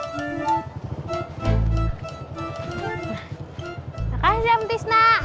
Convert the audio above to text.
makasih om tisna